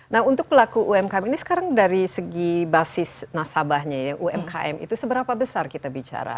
nah untuk pelaku umkm ini sekarang dari segi basis nasabahnya ya umkm itu seberapa besar kita bicara